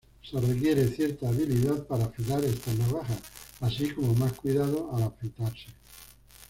Se requiere cierta habilidad para afilar estas navajas, así como más cuidado al afeitarse.